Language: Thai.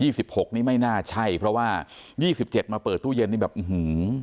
สิบหกนี่ไม่น่าใช่เพราะว่ายี่สิบเจ็ดมาเปิดตู้เย็นนี่แบบอื้อหือ